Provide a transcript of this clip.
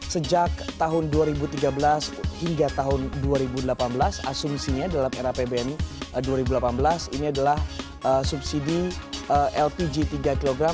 sejak tahun dua ribu tiga belas hingga tahun dua ribu delapan belas asumsinya dalam era pbn dua ribu delapan belas ini adalah subsidi lpg tiga kg